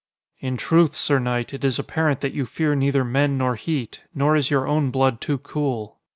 "In truth, sir knight, it is apparent that you fear neither men nor heat. Nor is your own blood too cool.